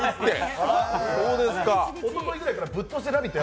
おとといぐらいからぶっ通しで「ラヴィット！」